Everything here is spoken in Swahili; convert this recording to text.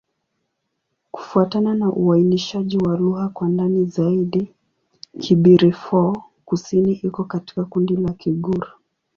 Kufuatana na uainishaji wa lugha kwa ndani zaidi, Kibirifor-Kusini iko katika kundi la Kigur.